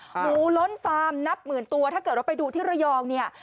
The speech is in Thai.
หมูล้นฟาร์มนับหมื่นตัวถ้าเกิดว่าไปดูที่ระยองเนี่ย